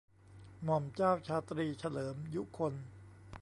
หม่อมเจ้าชาตรีเฉลิม ยุคล